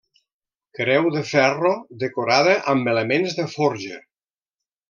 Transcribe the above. Creu de ferro decorada amb elements de forja.